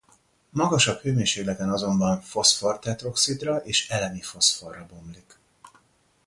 Magasabb hőmérsékleten azonban foszfor-tetroxidra és elemi foszforra bomlik.